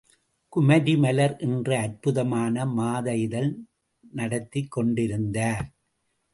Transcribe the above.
குமரி மலர் என்ற அற்புதமான மாத இதழ் நடத்திக் கொண்டிருந்தார்.